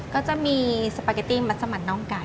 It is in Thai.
ก็จะมีสปาเกตตี้มัสมันน่องไก่